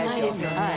はい。